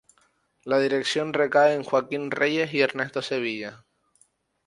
La dirección recae en Joaquín Reyes y Ernesto Sevilla.